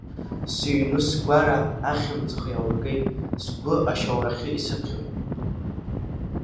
Сыҩны-сгәара ахьымӡӷ аургеит, сгәы ашьоурахьы исыԥхьоит…